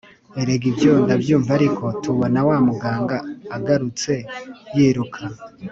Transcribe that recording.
erega ibyo ndabyumva ariko, tubona wa muganga agarutse yiruka